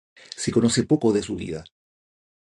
Se conoce poco de su vida.